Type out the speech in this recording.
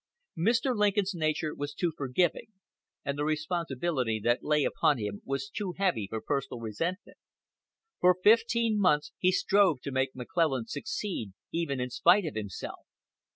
Mr. Lincoln's nature was too forgiving, and the responsibility that lay upon him was too heavy for personal resentment. For fifteen months he strove to make McClellan succeed even in spite of himself.